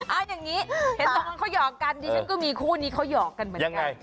เอาอย่างนี้เห็นตรงนั้นเขาหยอกกันดิฉันก็มีคู่นี้เขาหยอกกันเหมือนกัน